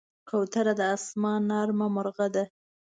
کوتره د آسمان نرمه مرغه ده.